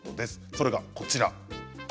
それがこちら。